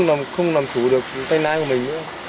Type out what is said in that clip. nó sẽ mất lái không làm chủ được tay lái của mình nữa